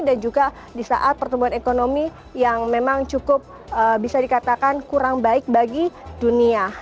dan juga di saat pertemuan ekonomi yang memang cukup bisa dikatakan kurang baik bagi dunia